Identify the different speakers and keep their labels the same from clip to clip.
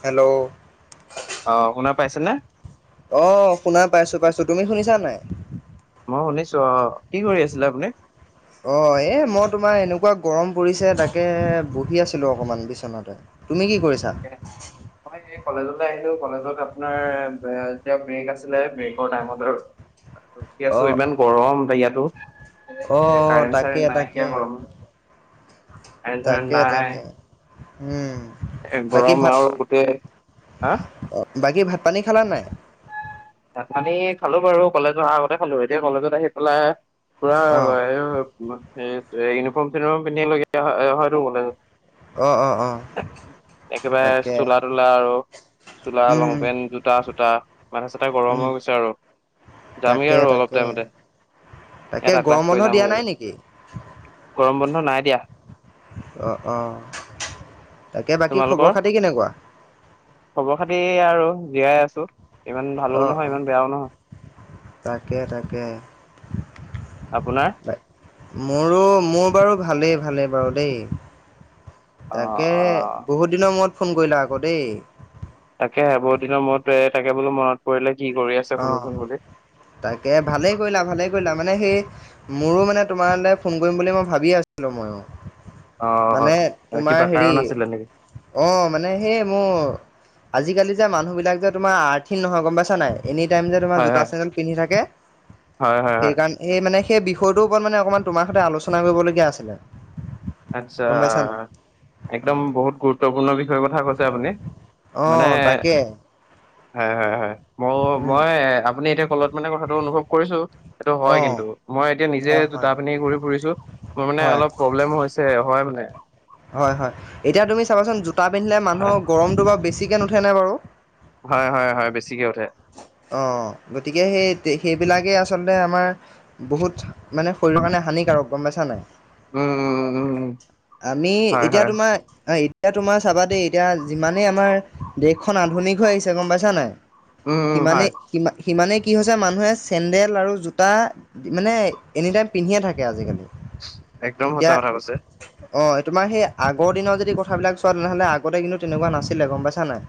Speaker 1: Hello
Speaker 2: অ শুনা পাইছেনে
Speaker 1: অ শুনা পাইছো পাইছো তুমি শুনিছা নাই
Speaker 2: মই শুনিছো অ কি কৰি আছিলে আপুনি
Speaker 1: অ এই মই তোমাৰ এনেকুৱা গৰম পৰিছে তাকে বহি আছিলো অকণমান বিচনাতে তুমি কি কৰিছা
Speaker 2: এনে মই এই কলেজলৈ আহিলো কলেজত আপোনাৰ এতিয়া ব্ৰেক আছিলে ব্ৰেকৰ টাইমত আৰু [unintelligible] পিয়াছোঁ
Speaker 1: অ'
Speaker 2: ইমান গৰম ত' ইয়াতো। এ
Speaker 1: অ' তাকে
Speaker 2: কাৰেণ্ট-চাৰেণ্ট নাই একে
Speaker 1: তাকে।
Speaker 2: গৰম। কাৰেণ্ট-চাছেণ্ট
Speaker 1: তাকে
Speaker 2: নাই।
Speaker 1: তাকে উম।
Speaker 2: এ'
Speaker 1: বাকী
Speaker 2: গৰম
Speaker 1: ভাত
Speaker 2: আৰু গোটেই, হা?
Speaker 1: বাকী, ভাত-পানী খালা নে নাই?
Speaker 2: পানী খালো বাৰু কলেজ অহা আগতে খালো এতিয়া কলেজত আহি পেলাই পুৰা
Speaker 1: অ'
Speaker 2: ইউনিফৰ্ম চনিফৰ্ম পিন্ধিলে অহাটো হল
Speaker 1: অ' অ' অ'
Speaker 2: একেবাৰে
Speaker 1: তাকে
Speaker 2: চোলা তোলা আৰু চোলা
Speaker 1: উম
Speaker 2: লং
Speaker 1: উম
Speaker 2: পেণ্ট জোতা চোতা মান গৰম
Speaker 1: উম
Speaker 2: হৈ গৈছে আৰু যামেই
Speaker 1: তাকে
Speaker 2: আৰু অলপ
Speaker 1: তাকে
Speaker 2: টাইমতে
Speaker 1: তাকে
Speaker 2: এটা ক্লাছ
Speaker 1: গৰম বন্ধ
Speaker 2: কৰি
Speaker 1: দিয়া
Speaker 2: যামগৈ
Speaker 1: নাই নেকি?
Speaker 2: গৰম বন্ধ নাই দিয়া।
Speaker 1: অ অ তাকে বাকী খবৰ
Speaker 2: তোমালোকৰ
Speaker 1: খাতি কেনেকুৱা?
Speaker 2: খবৰ খাতি আৰু জীয়াই আছো ইমান ভালো
Speaker 1: অ'
Speaker 2: নহয়
Speaker 1: অ'
Speaker 2: ইমান বেয়াও নহয়।
Speaker 1: তাকে তাকে।
Speaker 2: আপোনাৰ?
Speaker 1: মোৰো মোৰ বাৰু ভালেই ভালেই বাৰু দেই
Speaker 2: অ
Speaker 1: তাকে
Speaker 2: অ
Speaker 1: বহুত দিনৰ মূৰত ফোন কৰিলা আকৌ দেই
Speaker 2: তাকে বহুত দিনৰ মূৰত তাকে বোলো মনত পৰিলে কি কৰি আছে।
Speaker 1: অ
Speaker 2: সুধোচোন বুলি
Speaker 1: তাকে ভালেই কৰিলা ভালেই কৰিলা মানে সেই মোৰো মানে তোমালৈ ফোন কৰিম বুলি মই ভাবি আছিলো মইয়ো মানে
Speaker 2: অ
Speaker 1: তোমাৰ
Speaker 2: কিবা
Speaker 1: হেৰি
Speaker 2: কাৰণ আছিলে নেকি
Speaker 1: অ মানে সেই মোৰ আজিকালি যে মানুহ বিলাক যে তোমাৰ আৰ্থিন নহয় গম পাইছা নাই। এনি টাইম যে তোমাৰ
Speaker 2: হয় হয়
Speaker 1: জোতা চেণ্ডেল পিন্ধি থাকে
Speaker 2: হয় হয় হয়
Speaker 1: সেইকাৰণে এই মানে সেই বিষয়টোৰ ওপৰত মানে অকণমান তোমাৰ সৈতে আলোচনা কৰিবলগীয়া আছিলে।
Speaker 2: আচ্ছা
Speaker 1: গম পাইছা নাই
Speaker 2: একদম বহুত গুৰুত্বপূৰ্ণ বিষয়ৰ কথা কৈছে আপুনি
Speaker 1: অ
Speaker 2: মানে
Speaker 1: তাকে
Speaker 2: হয় হয় হয় মই
Speaker 1: উম,
Speaker 2: মই আপুনি এতিয়া কলত মানে কথাটো অনুভৱ কৰিছো সেইটো হয়
Speaker 1: অ',
Speaker 2: কিন্তু মই এতিয়া নিজে
Speaker 1: হয়
Speaker 2: জোটা
Speaker 1: হয়
Speaker 2: পিন্ধি ঘূৰি ফুৰিছো মোৰ মানে
Speaker 1: হয়
Speaker 2: অলপ প্ৰব্লেম হৈছে হয় মানে।
Speaker 1: হয় হয় এতিয়া তুমি চাবাচোন জোতা পিন্ধিলে
Speaker 2: হয়
Speaker 1: মানুহৰ গৰমটো বাৰু বেছিকৈ নুঠেনে বাৰু।
Speaker 2: হয় হয় হয় বেছিকে উঠে।
Speaker 1: অঁ গতিকে সেই সেইবিলাকেই আচলতে আমাৰ বহুত মানে শৰীৰৰ কাৰণে হানিকাৰক গম পাইছা নাই।
Speaker 2: উম উম উম উম
Speaker 1: আমি
Speaker 2: হয়
Speaker 1: এতিয়া
Speaker 2: হয়
Speaker 1: তোমাৰ এতিয়া তোমাৰ চাবা দেই এতিয়া যিমানেই আমাৰ দেশখন আধুনিক হৈ আহিছে গম পাইছা নাই।
Speaker 2: উম উম
Speaker 1: সিমানে
Speaker 2: হয়
Speaker 1: সি সিমানে কি হৈছে মানুহে চেন্দেল আৰু জোতা মানে এনি টাইম পিন্ধিয়ে থাকে আজিকালি
Speaker 2: একদম সঁচা কথা কৈছে।
Speaker 1: অ তোমাৰ সেই আগৰ দিনৰ যদি কথাবিলাক চোৱা তেনেহলে আগতে কিন্তু তেনেকুৱা নাছিলে গম পাইছা নাই।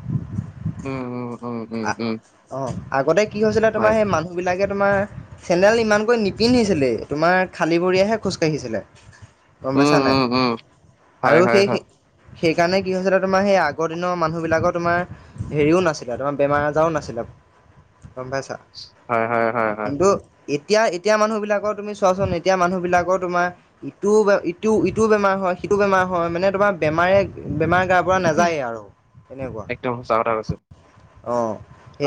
Speaker 2: উম উম উম উম উম-
Speaker 1: অ আগতে কি হৈছিলে
Speaker 2: হয়
Speaker 1: তোমাৰ সেই মানুহ বিলাকে তোমাৰ চেনেল ইমানকৈ নিপিন্ধিছিলেই তোমাৰ খালী ভৰিয়েহে খোজকাাঢ়িছিলে। গম
Speaker 2: উম
Speaker 1: পাইছা নাই
Speaker 2: উম উম হয়
Speaker 1: আৰু
Speaker 2: হয়
Speaker 1: সেই
Speaker 2: হয়
Speaker 1: সেই- সেইকাৰণে কি হৈছিল তোমাৰ সেই আগৰ দিনৰ মানুহবিলাকৰ তোমাৰ- হেৰিয়ো নাছিলে তোমাৰ বেমাৰ আজাৰও না চিলে গম পাইছা?
Speaker 2: হয় হয় হয় হয়
Speaker 1: কিন্তু এতিয়া, এতিয়া মানুহবিলাকৰ তুমি চোৱাচোন, এতিয়া মানুহবিলাকৰ তোমাৰ ইটো, বে-ইটো, ইটো বেমাৰ হয়, সিটো বেমাৰ হয়, মানে তোমাৰ বেমাৰে, বেমাৰ গাৰ পৰা নাজায়ে আৰু সেনেকুৱা।
Speaker 2: একদম সঁচা কথা কৈছে
Speaker 1: অ',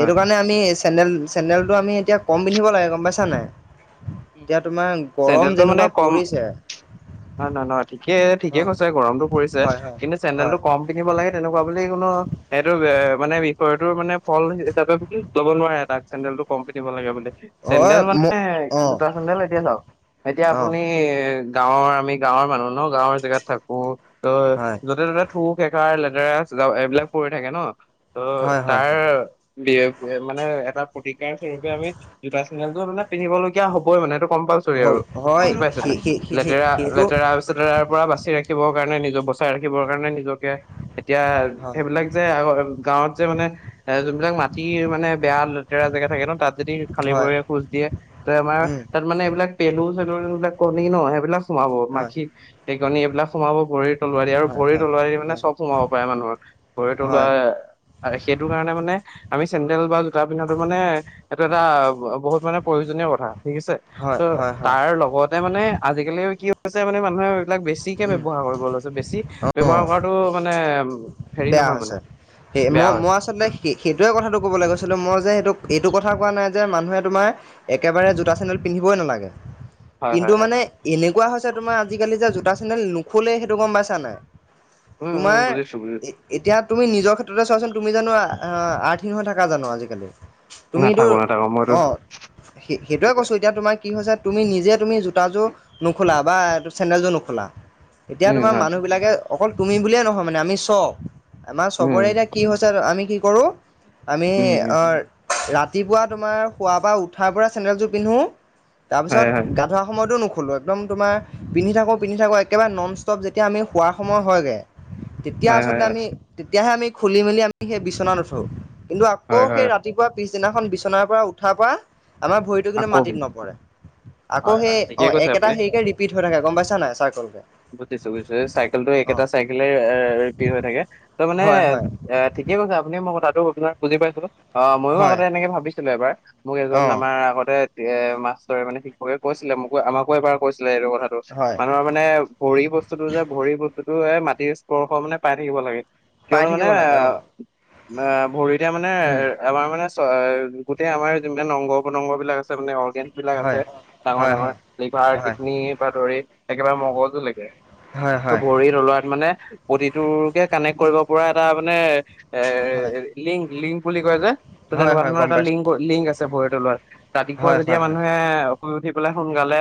Speaker 2: হয়
Speaker 1: আমি চেডেল-চেন্দেলটো আমি এতিয়া কম পিন্ধিব লাগে গম পাইছা নাই? এতিয়া তোমাৰ গৰম
Speaker 2: চেন্দেলটো মানে
Speaker 1: যেনেকুৱা
Speaker 2: কম
Speaker 1: পৰিছে।
Speaker 2: নহয়, নহয়, নহয়, ঠিকেই, ঠিকে
Speaker 1: অ',
Speaker 2: কৈছে, গৰমটো পৰিছে
Speaker 1: হয়, হয়,
Speaker 2: কিন্তু চেণ্ডেলটো
Speaker 1: হয়,
Speaker 2: কম পিন্ধিব লাগে তেনেকুৱা বুলি কোনো সেইটো এ, মানে বিষয়টো মানে ফল হিচাপে ল'ব নোৱাৰে, তাক চেণ্ডেলটো কম পিন্ধিব লাগে বুলি চেণ্ডেল
Speaker 1: হয়,
Speaker 2: মানে
Speaker 1: ম অ',
Speaker 2: জোতা, চেণ্ডেল এতিয়া চাওঁক, এতিয়া
Speaker 1: অ',
Speaker 2: আপুনি গাঁৱৰ আমি গাঁৱৰ মানুহ ন? গাঁৱৰ জেগাত থাকোঁ, ত'
Speaker 1: হয়, হয়,
Speaker 2: য'তে ত'তে থু, খেকাৰ, লেতেৰাছ এইবিলাক পৰি থাকে ন? ত'
Speaker 1: হয়, হয়,
Speaker 2: তাৰ বি মানে এটা প্ৰতিকাৰ স্বৰূপে আমি জোতা মানে পিন্ধিবলগীয়া হ'বই মানে এইটো কম্পালচৰি আৰু,
Speaker 1: হয়, হয়,
Speaker 2: বুজি পাইছেনে?
Speaker 1: সেই সেই সেই সেই
Speaker 2: লেতেৰা
Speaker 1: সেইটো
Speaker 2: তাৰপিছত তাৰ পৰা বাচি ৰাখিবৰ কাৰণে, নিজৰ বচাই ৰাখিবৰ কাৰণে, নিজকে এতিয়া
Speaker 1: হয়,
Speaker 2: সেইবিলাক যে, আ, গাঁৱত যে, মানে যোনবিলাক মাটিৰ মানে বেয়া লেতেৰা জেগা থাকে ন' তাত যদি খালি
Speaker 1: হয়,
Speaker 2: ভৰিৰে খোজ দিয়ে, ত' আমাৰ
Speaker 1: উম,
Speaker 2: তাত মানে এইবিলাক পেলু, চেলুৰবিলাক কণী ন' সেইবিলাক সোমাব
Speaker 1: হয়,
Speaker 2: মাখি [unintelligible] কণী এইবিলাক সোমাব ভৰিত তলুৱাই দি আৰু
Speaker 1: হয়, হয়,
Speaker 2: ভৰি
Speaker 1: হয়,
Speaker 2: তলুৱাই দি মানে চব সোমাব পাৰে মানুহৰ ভৰি তলুৱা
Speaker 1: হয়,
Speaker 2: সেইটোকাৰণে মানে আমি চেণ্ডেল বা জোতা পিন্ধাটো মানে এইটো, এটা বহুত মানে প্ৰয়োজনীয় কথা। ঠিক আছে,
Speaker 1: হয়,
Speaker 2: ত'
Speaker 1: হয়, হয়,
Speaker 2: তাৰ লগতে মানে আজিকালি কি হৈছে? মানে মানুহে এইবিলাক বেছ বেছিকে
Speaker 1: উম,
Speaker 2: ব্যৱহাৰ কৰিব লৈছে, বেছি ব্যৱহাৰ
Speaker 1: অ',
Speaker 2: কৰাটো মানে উ
Speaker 1: বেয়া হৈছে, সেই মই-মই আচলতে সে-সেইটোৱে কথাটো ক'বলৈ গৈছিলোঁ, মই যে, সেইটো এইটো কথা কোৱা নাই যে, মানুহে তোমাৰ একেবাৰে জোতা, চেণ্ডেল পিন্ধিবই নালাগে।
Speaker 2: হয়
Speaker 1: কিন্তু
Speaker 2: হয় হয়
Speaker 1: মানে এনেকুৱা হৈছে তোমাৰ আজিকালি যে, জোতা, চেণ্ডেল নোখোলেই সেইটো গম পাইছা নাই?
Speaker 2: উম উম
Speaker 1: তোমাৰ
Speaker 2: বুজিছো বুজিছো
Speaker 1: এতিয়া তুমি নিজৰ ক্ষেত্ৰতে চোৱাচোন, তুমি জানোঁ আহ-আৰ্থিন হৈ থাকা জানোঁ আজিকালি? তুমিতো
Speaker 2: নাথাকো নাথাকো মইতো
Speaker 1: অ', সে-সেইটোৱে
Speaker 2: সেইটোৱে।
Speaker 1: কৈছোঁ, এতিয়া তোমাক কি হৈছে, তুমি নিজে তুমি জোতাযোৰ নোখোলা বা চেণ্ডেলযোৰ নোখোলা। এতিয়া
Speaker 2: উম
Speaker 1: তোমাৰ
Speaker 2: হয়
Speaker 1: মানুহবিলাকে অকল তুমি বুলিয়ে নহয় মানে আমি চ আমাৰ
Speaker 2: উম
Speaker 1: চবৰে এতিয়া কি হৈছে? আমি কি কৰোঁ আমি
Speaker 2: উম উম
Speaker 1: অ' ৰাতিপুৱা তোমাৰ শুৱাপা উঠাৰ পৰা চেণ্ডেলযোৰ পিন্ধোঁ
Speaker 2: হয়
Speaker 1: তাৰপিছত
Speaker 2: হয়
Speaker 1: গা ধোৱা সময়তো নোখোলো। একদম তোমাৰ পিন্ধি থাকোঁ, পিন্ধি থাকোঁ, একেবাৰে নন ষ্টপ যেতিয়া আমি শোৱাৰ সময় হয়গে। তেতিয়া
Speaker 2: হয় হয়
Speaker 1: আচলতে
Speaker 2: হয়
Speaker 1: আমি, তেতিয়াহে আমি খুলি, মেলি আমি সেই বিচনাত উঠোঁ, কিন্তু আকৌ
Speaker 2: হয়
Speaker 1: সেই
Speaker 2: হয়
Speaker 1: ৰা ৰাতিপুৱা পিছদিনাখন বিচনাৰ পৰা উঠাৰ পা, আমাৰ ভৰিত কিন্তু
Speaker 2: আকৌ বি
Speaker 1: মাটিত নপৰে, আকৌ
Speaker 2: হয়
Speaker 1: সেই
Speaker 2: হয় ঠিকে
Speaker 1: অ',
Speaker 2: কৈছে
Speaker 1: একেটা
Speaker 2: আপুনি
Speaker 1: হেৰিকে ৰিপিট হৈ থাকে গম পাইছা নাই? চাৰ্কলকে।
Speaker 2: বুজিছোঁ, বুজিছোঁ চাইকেলটো একেটা
Speaker 1: অ'
Speaker 2: চাইকেলে ৰিপিত হৈ থাকে ত' মানে
Speaker 1: হয় হয়
Speaker 2: এ ঠিকে কৈছে আপুনি মই কথাটো আপোনাক বুজি পাইছিলোঁ, অ', ময়ো
Speaker 1: হয়
Speaker 2: আগতে এনেকে ভাবিছিলোঁ এবাৰ। মোক এজন
Speaker 1: অ'
Speaker 2: আমাৰ আগতে এ, মাষ্টৰে মানে শিক্ষকে কৈছিলে, মোকো আমাকো এবাৰ কৈছিলে, এইটো কথা। টো,
Speaker 1: হয়
Speaker 2: মানুহৰ মানে ভৰি বস্তুটো যে, ভৰি বস্তুটোয়ে মাটিৰ স্পৰ্শ মানে পাই থাকিব লাগে।
Speaker 1: পাই
Speaker 2: কিয়নো মানে
Speaker 1: থাকিব
Speaker 2: এ
Speaker 1: লাগে অ'
Speaker 2: ভৰি এতিয়া মানে
Speaker 1: উম।
Speaker 2: আমাৰ মানে চ গোটেই আমাৰা মানে অংগ প্ৰতংগ বিলাক আছে মানে অৰ্গেন বিলাক আছে
Speaker 1: হয়
Speaker 2: ডাঙৰ,
Speaker 1: হয়
Speaker 2: ডাঙৰ
Speaker 1: হয়
Speaker 2: লিভাৰ
Speaker 1: হয়
Speaker 2: কিডনী বা ধৰি একেবাৰে মগজো লৈকে।
Speaker 1: হয় হয়
Speaker 2: ভৰি তলোৱাত মানে প্ৰতিটোৰকে কানেক্ট কৰিব পৰা এটা মানে এ
Speaker 1: হয়
Speaker 2: লিংক, লিংক বুলি কয় যে
Speaker 1: হয়
Speaker 2: তেনেকুৱা
Speaker 1: হয়
Speaker 2: ধৰণৰ
Speaker 1: গম
Speaker 2: এটা
Speaker 1: পাইছোঁ।
Speaker 2: লিংক, লিংক আছে ভৰি তলোৱাত। ৰাতিপুৱা
Speaker 1: হয়
Speaker 2: যেতিয়া
Speaker 1: হয় হয়
Speaker 2: মানুহে শুই উঠি পেলাই সোনকালে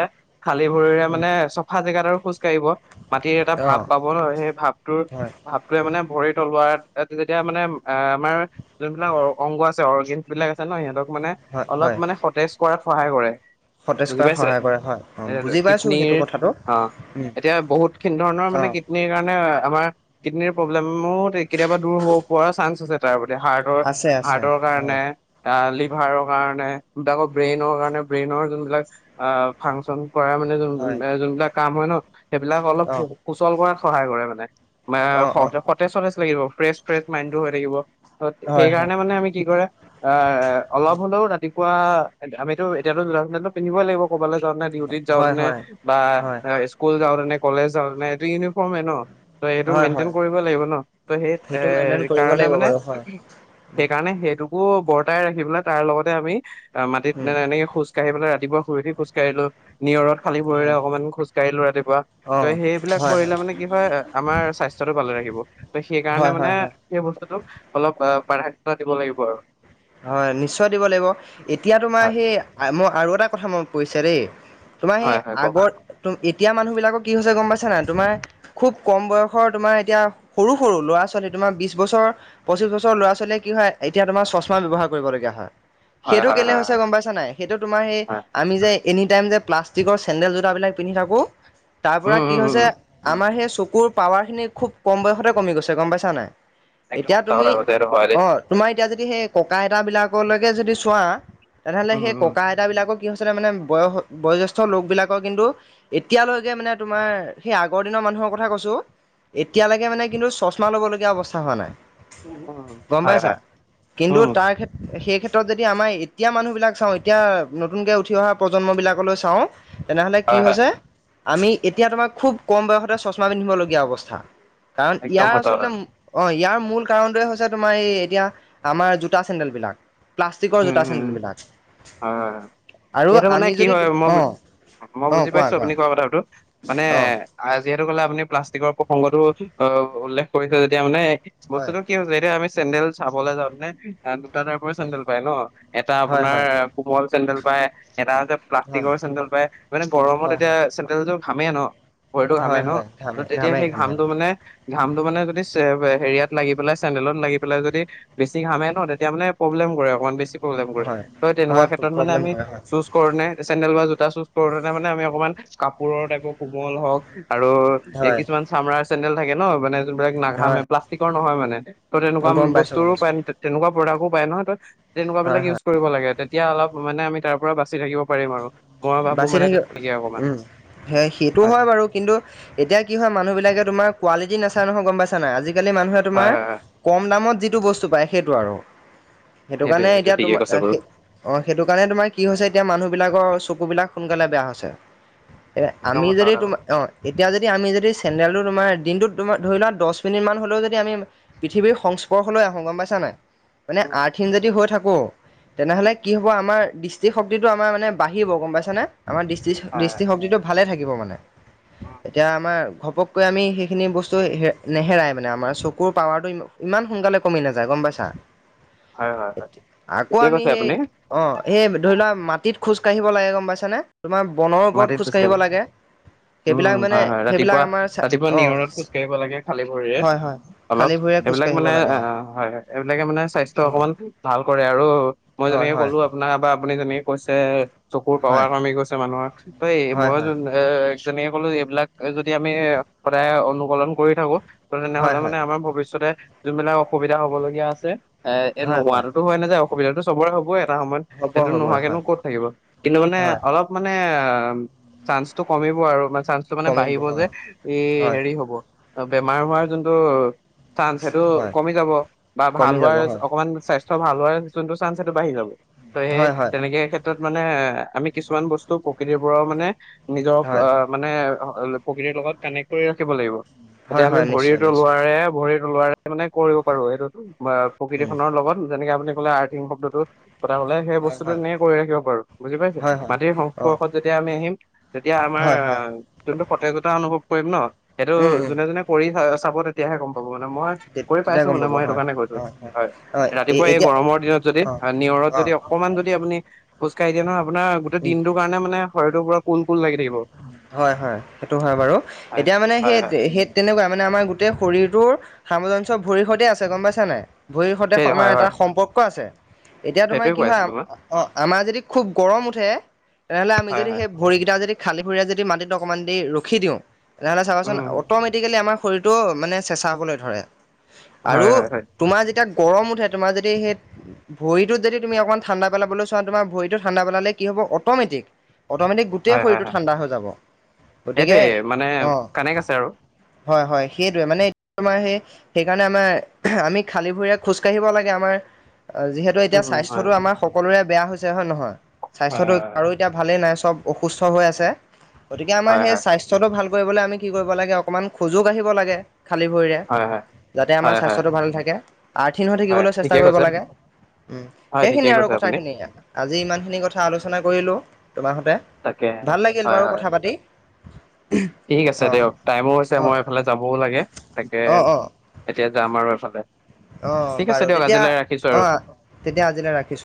Speaker 2: খালী ভৰিৰে
Speaker 1: উম
Speaker 2: মানে চফা জেগাত আৰু খোজ খাঢ়িব মাটিৰ এটা
Speaker 1: অ'
Speaker 2: ভাপ পাব ন সেই ভাপটোৰ
Speaker 1: হয়
Speaker 2: ভ টোৱে মানে ভৰি তলোত যেতিয়া মানে অ', আমাৰ যোনবিলাক অংগ আছে অৰ্গেন বিলাক আছে ন সিহঁতক মানে
Speaker 1: হয়
Speaker 2: অলপ
Speaker 1: হয়
Speaker 2: মানে সতেজ কৰাত সহায় কৰে।
Speaker 1: সতেজ
Speaker 2: বুজি
Speaker 1: কৰাত
Speaker 2: পাইছে
Speaker 1: সহায় কৰে হয় অ'
Speaker 2: এ
Speaker 1: বুজি পাইছোঁ সেইটো
Speaker 2: কিডনীৰ
Speaker 1: কথাটো
Speaker 2: অ'
Speaker 1: উম
Speaker 2: এতিয়া বহুত খিনি ধৰণৰ মানে
Speaker 1: অ'।
Speaker 2: কিডনীৰ কাৰণে আমাৰ কিডনীৰ প্ৰব্লেমো কেতিয়াবা দূৰ হ হোৱাৰ চান্স আছে। তাৰপ হাৰ্টৰ,
Speaker 1: আছে আছে
Speaker 2: হাৰ্টৰ
Speaker 1: হয়
Speaker 2: কাৰণে। আহ লিভাৰৰ কাৰণে তা ব্ৰেইনৰ কাৰণে ব্ৰেইনৰ যোনবিলাক অ', ফাংচন কৰা মানে যোন
Speaker 1: হয়
Speaker 2: যোনবিলাক কাম হয় ন সেইবিলাক অলপ
Speaker 1: অ'
Speaker 2: সুচল কৰাত সহায় কৰে মানে,
Speaker 1: অ' অ'
Speaker 2: সতেজ, সতেজ লাগিব ফ্ৰেছ, ফ্ৰেছ মাইণ্ডটো হৈ থাকিব। অ',
Speaker 1: হয় হয়
Speaker 2: এইকাৰণে মানে আমি কি কৰে অ', অলপ হলেও ৰাতিপুৱা আমিতো এতিয়াতো লৰা চটো পিন্ধিবই লাগিব। ক'বালে যাওটে ডিউটি
Speaker 1: হয়
Speaker 2: যাওঁতে
Speaker 1: হয়
Speaker 2: বা
Speaker 1: হয়
Speaker 2: স্কুল স্কুল যাওঁতে নে কলেজ যাওঁতে এইটো ইউনিফৰ্মে ন। ত' এইটো
Speaker 1: হয়
Speaker 2: মেইন্টেইন
Speaker 1: হয়
Speaker 2: কৰিব লাগিব ন ত' সেই এ
Speaker 1: সেইটো মেইনটেইন কৰিব
Speaker 2: কাৰণে
Speaker 1: লাগিব
Speaker 2: মানে
Speaker 1: বাৰু হয়। উম,
Speaker 2: সেইকাৰণে সেইটোকো বৰ্তাই ৰাখি পেলাই তাৰ লগতে আমি মাটিত
Speaker 1: উম,
Speaker 2: এনেকে খোজ খোজকাঢ়ি ৰাতিপুৱা শুই উঠি খোজঢ়িলো নিয়ৰত খালি ভৰিৰে
Speaker 1: হয়,
Speaker 2: অকমান খোজ ৰাতিপুৱা ত'
Speaker 1: অ',
Speaker 2: সেইবিলাক
Speaker 1: হয়, হয়,
Speaker 2: কৰিলে মানে কি হয় আমাৰ স্বাস্থ্যতটো ভালে ৰাখিব ত
Speaker 1: হয়,
Speaker 2: সেইকাৰণে
Speaker 1: হয়,
Speaker 2: মানে
Speaker 1: হয়।
Speaker 2: সেই বস্তুতটো অলপ অ', প্ৰাধান্যতা দিব লাগিব আৰু।
Speaker 1: হয় নিশ্চয় দিব লাগিব, এতিয়া
Speaker 2: হয়
Speaker 1: তোমাৰ সেই মই আৰু এটা কথা মনত পৰিছে দেই। তোমাৰ সেই
Speaker 2: হয়, হয়, কওক।
Speaker 1: আগৰ এতিয়া মানুহ বিলাকৰ কি হৈছে গ'ম পাইছে না তোমাৰ খুব কম বয়সৰ তোমাৰ এতিয়া সৰু, সৰু ল'ৰা ছোৱালী তোমাৰ বিশ বছৰ পঁচিশ বছৰৰ ল'ৰা ছোৱালীয়ে কি হয় এতিয়া তোমাৰ চশমা ব্যৱহাৰ কৰিবলগীয়া হয়
Speaker 2: হয়,
Speaker 1: সেইটো
Speaker 2: হয়,
Speaker 1: কেলে
Speaker 2: হয়,
Speaker 1: হৈছে
Speaker 2: হয়,
Speaker 1: গ'ম পাই নাই সেইটো তোমাৰ সেই
Speaker 2: হয়।
Speaker 1: আমি যে এনি টাইম যে প্লাষ্টিকৰ চেন্দেল জোতাবিলাক পিন্ধি থাকো তাৰ পৰা
Speaker 2: উম,
Speaker 1: কি
Speaker 2: উম, উম,
Speaker 1: হৈছে
Speaker 2: উম,
Speaker 1: আমাৰ সেই চকুৰ পাৱাৰ খিনি খুব কম বয়সতে কমি গৈছে গ'ম পাইছা নাই।
Speaker 2: একদম
Speaker 1: এতিয়া
Speaker 2: সঁচা
Speaker 1: তুমি
Speaker 2: কথা কৈছে এইটো হয় দেই।
Speaker 1: অ' তোমাৰ এতিয়া যদি সেই ককা আইতাবিলাকলৈকে যদি চোৱা তেনেহ'লে
Speaker 2: উম,
Speaker 1: সেই
Speaker 2: উম,
Speaker 1: ককা আইতাবিলাকক কি হৈছিলে মানে বয়স বয়োজ্যেষ্ঠ লোকবিলাকৰ কিন্তু এতিয়ালৈকে মানে তোমাৰ সেই আগৰ দিনৰ মানুহৰ কথা কৈছোঁ এতিয়ালৈকে মানে কিন্তু চশমা ল'বলগীয়া অৱস্থা হোৱা নাই
Speaker 2: উম,
Speaker 1: গ'ম
Speaker 2: হয়,
Speaker 1: পাইছা।
Speaker 2: হয়,
Speaker 1: কিন্তু
Speaker 2: উম,
Speaker 1: তাৰ ক্ষেত্ৰত সেই ক্ষেত্ৰত যদি আমাৰ এতিয়া মানুহবিলাক চাওঁ এতিয়া নতুনকে উঠি অহা প্ৰজন্মবিলাকলৈ চাওঁ তেনেহ'লে কি
Speaker 2: হয়, হয়,
Speaker 1: হৈছে আমি এতিয়া তোমাৰ খুব কম বয়সতে চশমা পিন্ধিবলগীয়া অৱস্থা। কাৰণ
Speaker 2: একদম
Speaker 1: ইয়াৰ
Speaker 2: সঁচা কথা।
Speaker 1: আচলতে অ', ইয়াৰ মূল কাৰণটোৱে হৈছে তোমাৰ এই এতিয়া আমাৰ জোতা চেণ্ডেল বিলাক।
Speaker 2: উম হম হয়, হয়।
Speaker 1: আৰু
Speaker 2: এইটো মানে
Speaker 1: আমি
Speaker 2: কি
Speaker 1: যদি
Speaker 2: হয় মই
Speaker 1: অ
Speaker 2: মই বুজি পাইছোঁ আপুনি কোৱা কথাটো। মানে
Speaker 1: অ
Speaker 2: যিহেতু কলে আপুনি প্লাষ্টিকৰ প্ৰসংগতটো অ উল্লেখ কৰিছে যেতিয়া মানে
Speaker 1: হয়
Speaker 2: বস্তুতটো কি হৈছে এতিয়া আমি চেণ্ডেল চাবলৈ যাওঁতে দুটাজেগাৰ পৰা চেণ্ডেল- ন এটা
Speaker 1: হয়
Speaker 2: আপোনাৰ
Speaker 1: হয়
Speaker 2: কোমল চেণ্ডেল পাই এটা যে
Speaker 1: হয়
Speaker 2: প্লাষ্টিকৰ চেণ্ডেল পায় মানে গৰমত
Speaker 1: হয়
Speaker 2: এতিয়া
Speaker 1: হয়
Speaker 2: চেণ্ডেলটো ঘামেই ন ভৰিটো
Speaker 1: হয়
Speaker 2: ঘামেই ন
Speaker 1: হয় ঘামে
Speaker 2: তেতিয়া
Speaker 1: ঘামে
Speaker 2: সেই
Speaker 1: ঘামে
Speaker 2: ঘামটো মানে ঘামটো মানে যদি হেৰিয়াত লাগি পেলাই চেণ্ডেলত লাগি পেলাই যদি বেছি ঘামে ন তেতিয়া মানে প্ৰব্লেম কৰে অকনমান বেছি প্ৰব্লেম কৰে
Speaker 1: হয়
Speaker 2: তেনেকুৱা
Speaker 1: হয়
Speaker 2: ক্ষেত্ৰত মানে
Speaker 1: প্ৰব্লেম
Speaker 2: আমি
Speaker 1: কৰে হয়
Speaker 2: চৌজ কৰে চেন্দেল বা জোতা চুজ কৰোনে মানে আমি অকণমান কাপোৰৰ টাইপৰ কোমল হওক। আৰু এই
Speaker 1: হয়
Speaker 2: কিছুমান চামৰাৰ চেণ্ডল থাকে ন মানে যোনবিলাক
Speaker 1: হয়
Speaker 2: নাঘামে প্লাষ্টিকৰ নহয় মানে। ত তেনেকুৱা
Speaker 1: গম পাইছো
Speaker 2: বস্তুো
Speaker 1: গম পাইছো
Speaker 2: পায় তেনেকুৱা প্ৰডাক্টো পায় নহয় ত তেনেকুৱা
Speaker 1: হয়
Speaker 2: বিলাক
Speaker 1: হয়
Speaker 2: ইউজ কৰিব লাগে তেতিয়া অলপ মানে আমি তাৰ পৰা বাচি থাকিব পাৰিম আৰু মই ভাবো
Speaker 1: বাচি
Speaker 2: মানে
Speaker 1: থাকিব
Speaker 2: তেনেকে অকমান
Speaker 1: উম হে সেইটো হয় বাৰু কিন্তু এতিয়া কি হয় মানুহবিলাকে তোমাৰ কোৱালিটি নাচায় নহয় গম পাইছা নাই আজিকালি মানুহে
Speaker 2: হয়
Speaker 1: তোমাৰ
Speaker 2: হয় হয়
Speaker 1: কম দামত যিটো বস্তু পায় সেইটো আৰু সেইটো
Speaker 2: সেইটোয়ে
Speaker 1: কাৰণে এতিয়া
Speaker 2: ঠিকে
Speaker 1: তোমাৰ
Speaker 2: কৈছে বাৰু
Speaker 1: অ সেইটো কাৰণে তোমাৰ কি হৈছে এতিয়া মানুহ বিলাকৰ চকু বিলাক সোনকালে বেয়া হৈছে এ
Speaker 2: একদম
Speaker 1: আমি
Speaker 2: সঁচা
Speaker 1: যদি
Speaker 2: কথা
Speaker 1: তোমাৰ
Speaker 2: কৈছে
Speaker 1: অ এতিয়া যদি আমি যদি চেন্দেলটো তোমাৰ দিনটোত তোমাৰ ধৰি লোৱা দহ মিনিট মান হলেও যদি আমি পৃথিৱীৰ সংস্পৰ্শলৈ আহোঁ গম পাইছা নাই মানে
Speaker 2: উম উম
Speaker 1: আৰ্থিন যদি হৈ থাকোঁ তেনেহলে
Speaker 2: উম,
Speaker 1: কি হব আমাৰ দৃষ্টি শক্তিটো আমাৰ মানে বাঢ়িব গম পাইছানে। আমাৰ দৃষ্টি
Speaker 2: হয় হয়
Speaker 1: দৃষ্টিশক্তিটো ভালে থাকিব মানে
Speaker 2: উম,
Speaker 1: এতিয়া আমাৰ ঘপককৈ আমি সেইখিনি বস্তু হে নেহেৰাই মানে আমাৰ চকুৰ পাৱাৰটো ইমান সোনকালে কমি নাযায় গম পাইছা
Speaker 2: হয় হয় হয়
Speaker 1: আকৌ
Speaker 2: ঠিকে
Speaker 1: আমি
Speaker 2: কৈছে
Speaker 1: সেই
Speaker 2: আপুনি
Speaker 1: অঁ এই ধৰি লোৱা মাটিত খোজকাঢ়িব লাগে গম পাইছা নে তোমাৰ বনৰ ওপৰত
Speaker 2: মাটিত
Speaker 1: খোজ কাঢ়িব
Speaker 2: খোজকাঢ়িব
Speaker 1: লাগে সেইবিলাক
Speaker 2: উম
Speaker 1: মানে
Speaker 2: হয় হয়
Speaker 1: সেইবিলাক
Speaker 2: ৰাতিপুৱা
Speaker 1: আমাৰ
Speaker 2: ৰাতিপুৱা
Speaker 1: অ
Speaker 2: নিয়ৰত খোজ কাঢ়িব লাগে খালী ভৰিৰে
Speaker 1: হয় হয়
Speaker 2: অলপ
Speaker 1: খালী ভৰিৰে খোজ
Speaker 2: হেইবিলাক
Speaker 1: কাঢ়িব
Speaker 2: মানে
Speaker 1: লাগে অ
Speaker 2: হয় হয় এইবিলাকে মানে স্বাস্থ্য অকমান ভাল কৰে আৰু মই
Speaker 1: অ
Speaker 2: যেনেকে
Speaker 1: হয়
Speaker 2: ক'লো আপোনাৰ বা আপুনি যেনেকে কৈছে চকুৰ পাৱাৰ
Speaker 1: হয়
Speaker 2: কমি গৈছে মানুহৰ তই
Speaker 1: হয় হয়
Speaker 2: মই
Speaker 1: হয়
Speaker 2: [inaudible] এ যেনেকে কলো এইবিলাক যদি আমি সদায় অনুহৰণ কৰি থাকো। ত
Speaker 1: হয়
Speaker 2: তেনেহলে
Speaker 1: হয়
Speaker 2: মানে আমাৰ ভৱিষ্যতে যোনবিলাক অসুবিধা হবলগীয়া আছে। এ এ নোহোৱাতো হয় নাযায় অসুবিধাতো সবৰে হবই এটা সময়ত।
Speaker 1: হ'ব
Speaker 2: এইটো
Speaker 1: হ'ব
Speaker 2: নোহোৱাকেনো
Speaker 1: হয়
Speaker 2: ক'ত থাকিব কিন্তু মানে
Speaker 1: হয়
Speaker 2: অলপ হেইয়া চাঞ্চটো কমিব আৰু বা চাঞ্চ যিটো মানে
Speaker 1: কমিব
Speaker 2: বাঢ়িব যে
Speaker 1: হয়
Speaker 2: ই
Speaker 1: হয়
Speaker 2: হেৰি হব বেমাৰ হোৱাৰ যোনটো চান্স সেইটো
Speaker 1: হয়
Speaker 2: কমি যাব বা ভাল
Speaker 1: কমি যাব
Speaker 2: হোৱাৰ
Speaker 1: হয়
Speaker 2: অকমান স্বাস্থ্য ভাল হোৱাৰ যোনটো চান্স সেইটো বাঢ়ি যাব। ত সেই
Speaker 1: হয় হয়
Speaker 2: তেনেকে ক্ষেত্ৰত মানে এ আমি কিছুমান বস্তু প্ৰকৃতিৰ পৰাও মানে নিজক
Speaker 1: হয়
Speaker 2: অ মানে প্ৰকৃতিৰ লগত কানেক্ট কৰি ৰাখিব লাগিব। এতিয়া
Speaker 1: হয়
Speaker 2: আমি
Speaker 1: হয় নিশ্চয়
Speaker 2: ভৰিতো
Speaker 1: নিশ্চয়
Speaker 2: লোৱাৰে ভৰি তলোৱাৰে মানে কৰিব পাৰো সেইটো প্ৰকৃতি
Speaker 1: উম
Speaker 2: খনৰ লগত যেনেকে আপুনি ক'লে আৰ্ শব্দটো সদায় হলে সেই
Speaker 1: হয়
Speaker 2: বস্তুটো
Speaker 1: হয়
Speaker 2: এনে কৰি ৰাখিব পাৰো বুজি পাইছে
Speaker 1: হয় হয়
Speaker 2: মাটিৰ
Speaker 1: অ
Speaker 2: সংস্পৰ্শত যেতিয়া আমি আহিম তেতিয়া আমাৰ
Speaker 1: হয় হয়
Speaker 2: যোনটো সতৰ্কতা অনুভৱ কৰিম ন সেইটো
Speaker 1: উম উম
Speaker 2: যোনে যোনে কৰি চাব তেতিয়াহে গম পাব মানে মই কৰি
Speaker 1: তেতিয়া
Speaker 2: পাইছো
Speaker 1: গম
Speaker 2: মানে
Speaker 1: পাব
Speaker 2: মই সেইটো
Speaker 1: হয়
Speaker 2: কাৰণে কৈছো হয়
Speaker 1: অ
Speaker 2: ৰাতিপুৱা এই
Speaker 1: এতিয়া
Speaker 2: গৰমৰ দিনত যদি
Speaker 1: অ
Speaker 2: নিয়ৰত
Speaker 1: অ
Speaker 2: যদি অকমান যদি আপুনি খোজাকাঢ়ি দিয়ে নহয় আপোনাৰ গোটেই
Speaker 1: উম
Speaker 2: দিনটো কাৰনে মানে শৰীৰটোৰ পুৰা কুল কুল লাগি থাকিব
Speaker 1: হয় হয় সেইটো হয় বাৰু
Speaker 2: হয়
Speaker 1: এতিয়া মানে
Speaker 2: হয়
Speaker 1: সেই
Speaker 2: হয়
Speaker 1: সেই তেনেকুৱা মানে আমাৰ গোটেই শৰীৰটোৰ সামঞ্জস্য ভৰিৰ সৈতে আছে গম পাইছা নাই। ভৰিৰ সৈতে
Speaker 2: সেই
Speaker 1: আমাৰ
Speaker 2: হয়
Speaker 1: এটা
Speaker 2: হয়
Speaker 1: সম্পৰ্ক আছে। এতিয়া তোমাৰ
Speaker 2: সেইটোৱে
Speaker 1: কি
Speaker 2: কৈ
Speaker 1: হয়
Speaker 2: আছিলো মই
Speaker 1: অ আমাৰ যদি খুব গৰম উঠে, তেনেহলে আমি
Speaker 2: হয়
Speaker 1: যদি
Speaker 2: হয়
Speaker 1: সেই ভৰিকেইটা যদি খালী ভৰিৰে যদি মাটিত অকণমান দেৰি ৰখি দিওঁ, তেনেহ'লে চাবাচোন
Speaker 2: উম উম।
Speaker 1: অট'মেটিকেলি আমাৰ শৰীৰটো মানে চেঁচা হ'বলে ধৰে, আৰু
Speaker 2: হয় হয় হয়
Speaker 1: তোমাৰ যেতিয়া গৰম উঠে, তোমাৰ যদি সেই ভৰিটোত যদি তুমি অকমান ঠাণ্ডা পেলাবলৈ চোৱা, তোমাৰ ভৰিটো ঠাণ্ডা পালে কি হব অ'মেটিক অট-মেটিক গোটেই
Speaker 2: হয় হয়
Speaker 1: শৰীৰটো
Speaker 2: হয়
Speaker 1: ঠাণ্ডা হৈ যাব
Speaker 2: সেইটোৱে
Speaker 1: গতিকে
Speaker 2: মানে
Speaker 1: অ।
Speaker 2: কানেক্ট আছে আৰু
Speaker 1: হয় হয় সেইটোৱে মানে তোমাৰ সেই সেইকাৰণে আমাৰ আমি খালী ভৰিৰে খোজকাঢ়িব লাগে, আমাৰ যিহে টো
Speaker 2: উম
Speaker 1: এতিয়া
Speaker 2: উম, হয়
Speaker 1: স্বাস্থ্যটো আমাৰ সকলোৰে বেয়া হৈছে হয় নহয়,
Speaker 2: হয়
Speaker 1: স্বাস্থ্যটো আৰু এতিয়া ভালেই নাই চব অসুস্থ হৈ আছে, গতিকে আমাৰ
Speaker 2: হয় হয়
Speaker 1: সেই স্বা টো ভাল কৰিবলৈ আমি কি কৰিব লাগে অকণমান খোজো কাঢ়িব লাগে, খালী ভৰিৰে।
Speaker 2: হয় হয়
Speaker 1: যাতে আমাৰ
Speaker 2: হয় হয় হয়
Speaker 1: স্বাস্থ্যটো ভালে থাকে, আৰ্থিন হৈ
Speaker 2: হয়
Speaker 1: থাকিবলৈ
Speaker 2: ঠিকে
Speaker 1: চেষ্টা কৰিব
Speaker 2: কৈছে
Speaker 1: লাগে। উম
Speaker 2: হয় ঠিকে
Speaker 1: সেইখিনি আৰু
Speaker 2: কৈছে আপুনি
Speaker 1: কথাখিনি আজি ইমান খিনি কথা আলোচনা কৰিলো, তোমাৰ হতে।
Speaker 2: তাকে
Speaker 1: ভাল লাগিল
Speaker 2: হয়
Speaker 1: বাৰু
Speaker 2: হয়
Speaker 1: কথা পাতি।
Speaker 2: ঠিক আছে দিয়ক টাইমো হৈছে
Speaker 1: অ অ
Speaker 2: মই এইফালে যাবও লাগে, তাকে
Speaker 1: অ', অ',
Speaker 2: এতিয়া যাম আৰু এফালে।
Speaker 1: অ
Speaker 2: ঠিক আছে
Speaker 1: বাৰু
Speaker 2: দিয়ক
Speaker 1: তেতিয়া
Speaker 2: আজিলৈ ৰাখিছো আৰু
Speaker 1: অ তেতিয়া আজিলৈ ৰাখিছো।